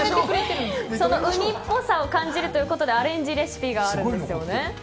ウニっぽさを感じるということでアレンジレシピがあるんですよね。